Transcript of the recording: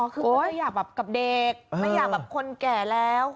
คือไม่อยากแบบกับเด็กไม่อยากแบบคนแก่แล้ว